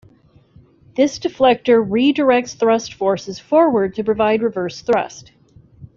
This deflector redirects thrust forces forward to provide reverse thrust.